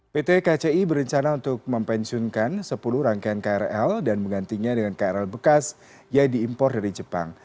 pt kci berencana untuk mempensiunkan sepuluh rangkaian krl dan menggantinya dengan krl bekas yang diimpor dari jepang